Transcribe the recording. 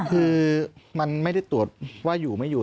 คือมันไม่ได้ตรวจว่าอยู่ไม่อยู่